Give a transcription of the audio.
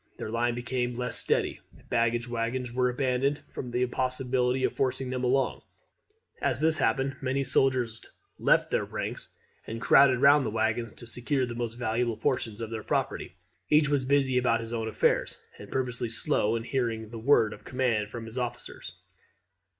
Their line became less steady; baggage waggons were abandoned from the impossibility of forcing them along; and, as this happened, many soldiers left their ranks and crowded round the waggons to secure the most valuable portions of their property; each was busy about his own affairs, and purposely slow in hearing the word of command from his officers.